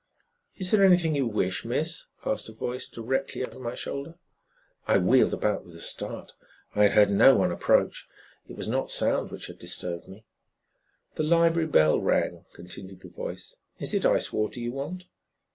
"Is there anything you wish, Miss?" asked a voice directly over my shoulder. I wheeled about with a start. I had heard no one approach; it was not sound which had disturbed me. "The library bell rang," continued the voice. "Is it ice water you want?"